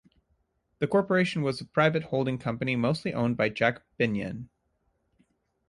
The corporation was a private holding company mostly owned by Jack Binion.